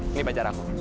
ini pacar aku